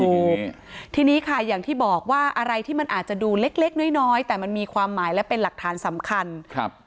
ถูกทีนี้ค่ะอย่างที่บอกว่าอะไรที่มันอาจจะดูเล็กเล็กน้อยน้อยแต่มันมีความหมายและเป็นหลักฐานสำคัญครับ